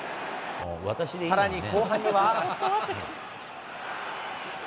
さらに後半には。